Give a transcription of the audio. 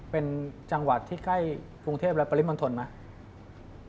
เป็นจังหวัดที่ใกล้กรุงเทพและปริมณฑลไหม